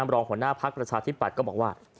รองหัวหน้าภักดิ์ประชาธิปัตย์ก็บอกว่า